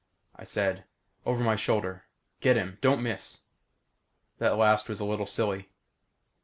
I said, "Over my shoulder. Get him. Don't miss." That last was a little silly.